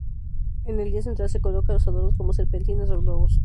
En el día central se coloca los adornos como serpentinas o globos.